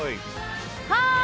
はい！